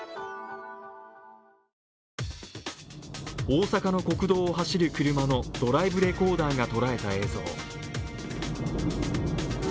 大阪のかく問うを走る車のドライブレコーダーが捉えた映像。